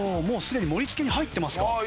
もうすでに盛り付けに入ってますか。